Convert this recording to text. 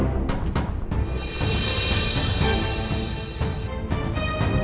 aku sudah berpikir